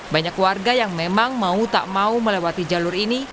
banyak warga yang memang mau tak mau melewati jalur ini